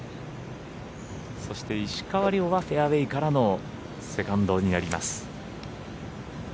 そして石川遼はフェアウエーからのセカンドになります。